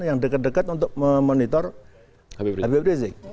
yang dekat dekat untuk memonitor hp prisik